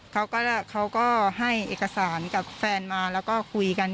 เขาก็ให้เอกสารกับแฟนมาแล้วก็คุยกัน